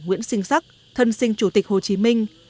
nguyễn sinh sắc thân sinh chủ tịch hồ chí minh